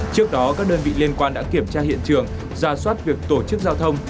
trước đó các đơn vị liên quan đã kiểm tra hiện trường ra soát việc tổ chức giao thông